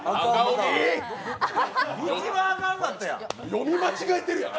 読み間違えてるやん。